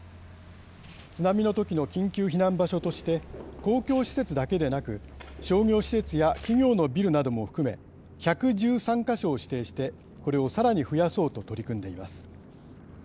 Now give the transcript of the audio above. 津波のときの緊急避難場所として公共施設だけでなく商業施設や企業のビルなども含め１１３か所を指定してこれをさらに増やそうと取り組んでいます。